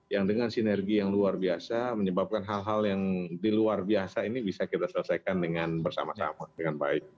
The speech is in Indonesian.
yang dengan sinergi yang luar biasa menyebabkan hal hal yang di luar biasa ini bisa kita selesaikan dengan bersama sama dengan baik